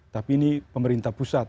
tapi ini pemerintah pusat